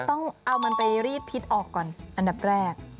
ต้องเอามันไปรีดพิษออกก่อนอันดับแรก